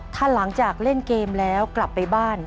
ถ้าหลังจากเล่นเกมแล้วกลับไปบ้าน